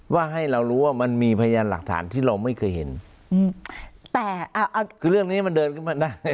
ว่าให้เรารู้ว่ามันมีพยานหลักฐานที่เราไม่เคยเห็นอืมแต่เอาคือเรื่องนี้มันเดินขึ้นมาได้